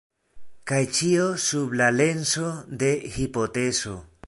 Kaj ĉio sub la lenso de hipotezo.